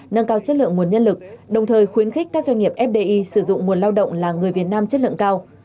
nâng cao chất lượng nguồn nhân lực đồng thời khuyến khích các doanh nghiệp fdi sử dụng nguồn lao động là người việt nam chất lượng cao